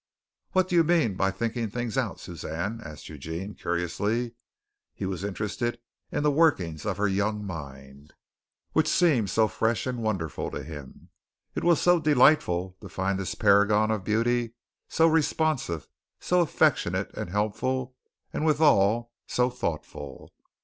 "What do you mean by thinking things out, Suzanne?" asked Eugene curiously. He was interested in the workings of her young mind, which seemed so fresh and wonderful to him. It was so delightful to find this paragon of beauty so responsive, so affectionate and helpful and withal so thoughtful.